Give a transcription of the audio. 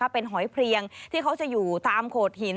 เป็นหอยเพลียงที่เขาจะอยู่ตามโขดหิน